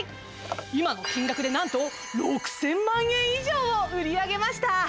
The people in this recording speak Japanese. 今の金額でなんと６０００万円以上を売り上げました。